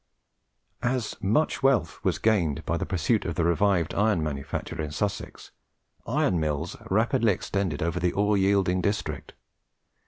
As much wealth was gained by the pursuit of the revived iron manufacture in Sussex, iron mills rapidly extended over the ore yielding district.